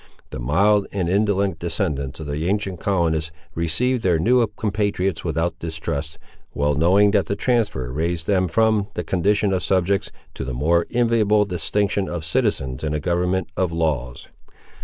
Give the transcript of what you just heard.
The mild and indolent descendants of the ancient colonists received their new compatriots without distrust, well knowing that the transfer raised them from the condition of subjects, to the more enviable distinction of citizens in a government of laws.